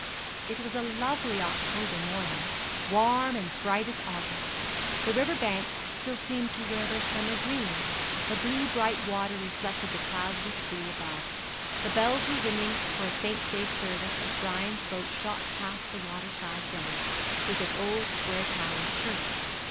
It was a lovely October morning, warm and bright as August. The river banks still seemed to wear their summer green, the blue bright water reflected the cloudless blue above. The bells were ringing for a saint's day service as Brian's boat shot past the water side village, with its old square towered church.